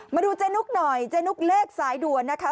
มาดูเจ๊นุ๊กหน่อยเจ๊นุ๊กเลขสายด่วนนะคะ